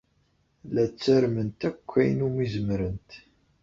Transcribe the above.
La ttarment akk ayen umi zemrent.